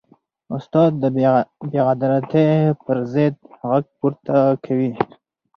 استاد د بېعدالتۍ پر ضد غږ پورته کوي.